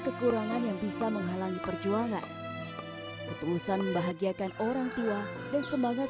kekurangan yang bisa menghalangi perjuangan ketulusan membahagiakan orang tua dan semangat